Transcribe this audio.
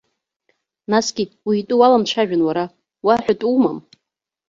Насгьы уи итәы уаламцәажәан уара, уа ҳәатәы умам.